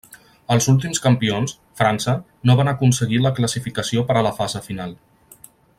Els últims campions, França, no van aconseguir la classificació per a la fase final.